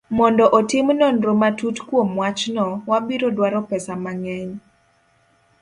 Mondo otim nonro matut kuom wachno, wabiro dwaro pesa mang'eny.